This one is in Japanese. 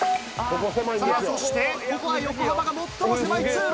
さぁそしてここは横幅が最も狭い通路。